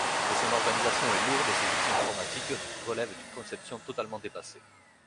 Mais son organisation est lourde et ses outils informatiques relèvent d’une conception totalement dépassée.